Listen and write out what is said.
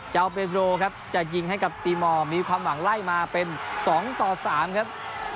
เจ้าเบลโกจะยิงให้กับตีมองมีความหวังไล่มาเป็น๒๓ครับ